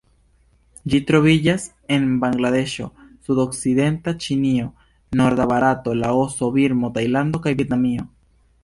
Ĝi troviĝas en Bangladeŝo, sudokcidenta Ĉinio, norda Barato, Laoso, Birmo, Tajlando kaj Vjetnamio.